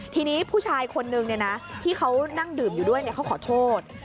ทีนี้ผู้ชายคนนึงที่เขานั่งดื่มอยู่ด้วยเขาขอโทษ